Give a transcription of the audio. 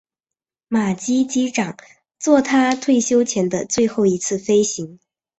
马基机长作他退休前的最后一次飞行。